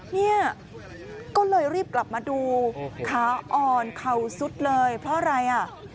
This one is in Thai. เนี่ยก็เลยรีบกลับมาดูขาอ่อนเข่าสุดเลยเพราะอะไรอ่ะ